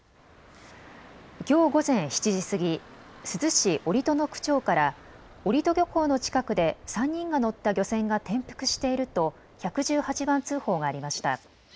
きょう午前７時過ぎ珠洲市折戸の区長から折戸漁港の近くで３人が乗った漁船が転覆していると１１８番通報がありました。